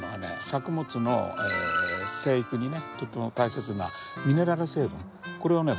作物の生育にねとっても大切なミネラル成分これをね